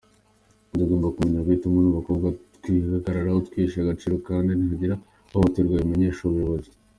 Tugomba kumenya guhitamo nk’abakobwa, twihagarareho, twiheshe agaciro kandi nihagira uhohoterwa abimenyeshe ubuyobozi.